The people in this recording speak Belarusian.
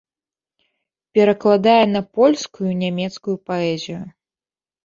Перакладае на польскую нямецкую паэзію.